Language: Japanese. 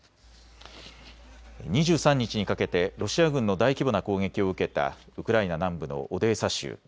２３日にかけてロシア軍の大規模な攻撃を受けたウクライナ南部のオデーサ州。